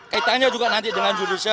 ketanya juga nanti dengan judulnya